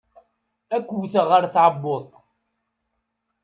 Ad k-wteɣ ɣer tɛebbuḍt.